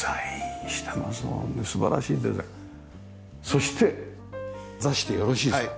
そして座してよろしいですか？